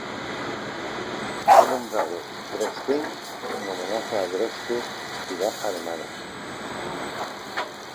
Fue nombrado Dresden en homenaje a Dresde ciudad alemana.